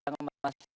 terhadap penuntut umum